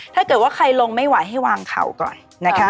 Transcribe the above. ถ้าเกิดว่าใครลงไม่ไหวให้วางเขาก่อนนะคะ